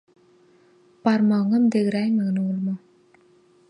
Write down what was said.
Barmagyňam degiräýmegin, ogluma.